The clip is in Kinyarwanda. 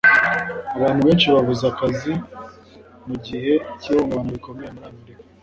Abantu benshi babuze akazi mugihe cy'ihungabana rikomeye muri Amerika.